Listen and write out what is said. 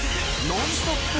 ノンストップ！